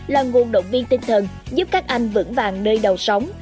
là nguồn động viên tinh thần giúp các anh vững vàng nơi đầu sống